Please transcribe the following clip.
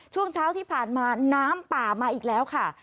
ช่วงเช้าที่ผ่านมาน้ำป่ามาอีกแล้วค่ะ